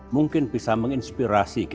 mungkin bisa menginspirasi generasi muda